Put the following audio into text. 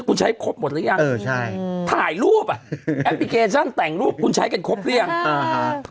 คุณใช้ครบหมดหรือยังเออใช่ถ่ายรูปอ่ะแอปพลิเคชันแต่งรูปคุณใช้กันครบหรือยังอ่าฮะ